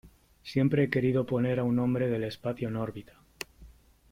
Siempre he querido poner a un hombre del espacio en órbita .